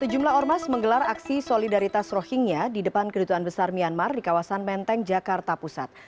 sejumlah ormas menggelar aksi solidaritas rohingya di depan keduduan besar myanmar di kawasan menteng jakarta pusat